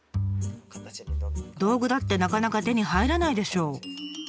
道具だってなかなか手に入らないでしょう？